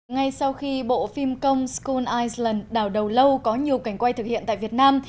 ngay sau khi bộ phim công scotlan island đào đầu lâu có nhiều cảnh quay thực hiện tại việt nam